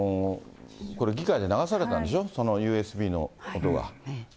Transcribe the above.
これ、議会で流されたんでしょ、そのＵＳＢの音が。